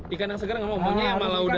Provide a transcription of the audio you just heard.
ikan yang segar gak mau maunya yang malah udah